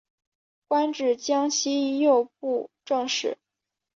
官至江西右布政使。